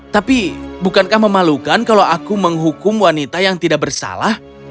tapi bukankah memalukan kalau aku menghukum wanita yang tidak bersalah